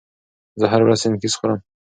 زه هره ورځ سنکس خوري.